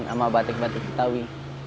sama batik batik ketawi